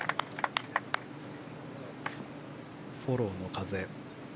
フォローの風。